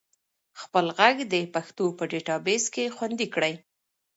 خپل ږغ د پښتو په ډیټابیس کې خوندي کړئ.